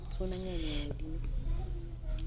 Suna ngeny e od ni